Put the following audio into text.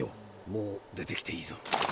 もう出てきていいぞ。